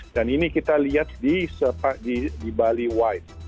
dan ini kita lihat di bali wide